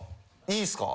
いいっすか。